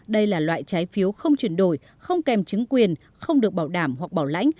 đây là loại trái phiếu không chuyển đổi không kèm chứng quyền không được bảo đảm hoặc bảo lãnh